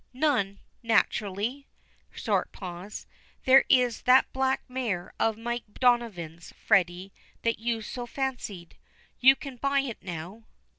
"None, naturally." Short pause. "There is that black mare of Mike Donovan's, Freddy, that you so fancied. You can buy it now."